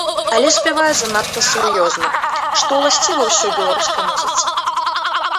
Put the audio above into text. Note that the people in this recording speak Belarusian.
Але спявае занадта сур'ёзна, што ўласціва ўсёй беларускай музыцы.